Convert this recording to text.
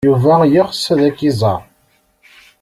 Yuba yeɣs ad k-iẓer.